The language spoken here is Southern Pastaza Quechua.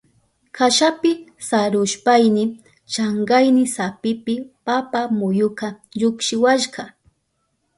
Kashapi sarushpayni chankayni sapipi papa muyuka llukshiwashka.